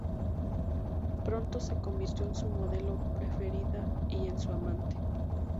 Pronto se convirtió en su modelo preferida y en su amante.